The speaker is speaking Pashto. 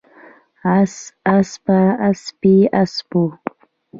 اس، اسپه، اسپې، اسپو